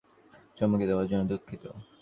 চমকে দেয়ার জন্য দুঃখিত।